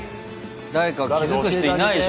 誰か気付く人いないでしょ